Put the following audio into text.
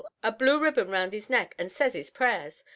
A blue ribbon round 'is neck and says 'is prayers.